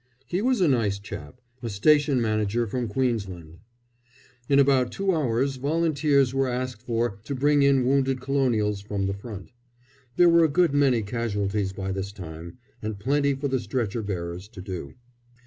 He was a nice chap a station manager from Queensland. In about two hours volunteers were asked for to bring in wounded Colonials from the front. There were a good many casualties by this time, and plenty for the stretcher bearers to do.